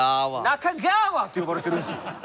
「ナカガーワ」って呼ばれてるんですよ？